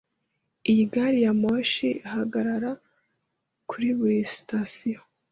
Iyi gari ya moshi ihagarara kuri buri sitasiyo.